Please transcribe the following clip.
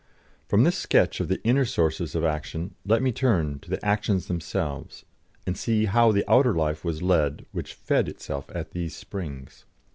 From this sketch of the inner sources of action let me turn to the actions themselves, and see how the outer life was led which fed itself at these springs.